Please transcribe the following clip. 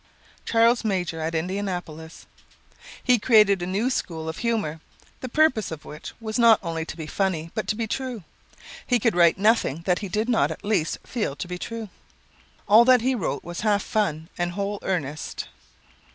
Charles Major, at Indianapolis: "He created a new school of humor, the purpose of which was not only to be funny but to be true. He could write nothing that he did not at least feel to be true. All that he wrote was half fun and whole earnest."